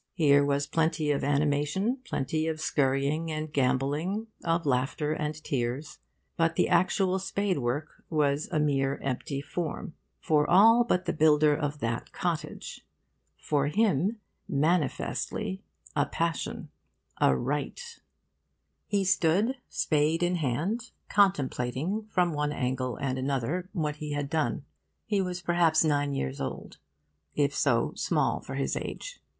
Here was plenty of animation, plenty of scurrying and gambolling, of laughter and tears. But the actual spadework was a mere empty form. For all but the builder of that cottage. For him, manifestly, a passion, a rite. He stood, spade in hand, contemplating, from one angle and another, what he had done. He was perhaps nine years old; if so, small for his age.